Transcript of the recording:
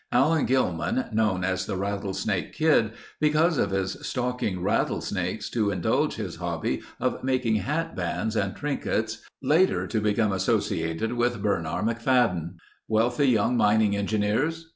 Allen Gillman, known as the Rattlesnake Kid, because of his stalking rattlesnakes to indulge his hobby of making hat bands and trinkets, later to become associated with Bernarr McFadden. Wealthy young mining engineers.